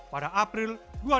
pada april dua ribu dua puluh